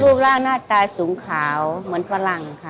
รูปร่างหน้าตาสูงขาวเหมือนฝรั่งค่ะ